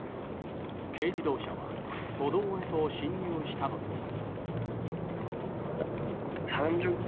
軽自動車は歩道へと進入したのです。